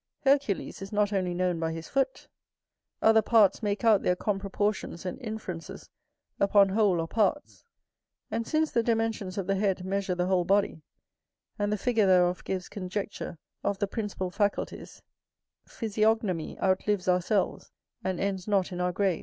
Hercules is not only known by his foot. Other parts make out their comproportions and inferences upon whole or parts. And since the dimensions of the head measure the whole body, and the figure thereof gives conjecture of the principal faculties: physiognomy outlives ourselves, and ends not in our graves.